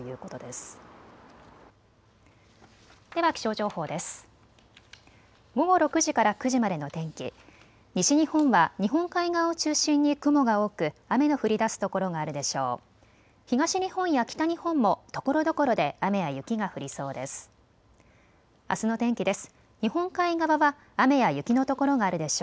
東日本や北日本もところどころで雨や雪が降りそうです。